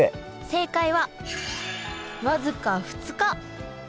正解は僅か２日。